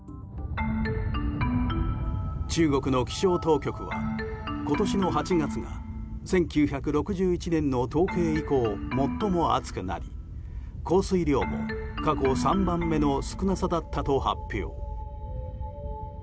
中国の気象当局は今年の８月が１９６１年の統計以降最も暑くなり降水量も過去３番目の少なさだったと発表。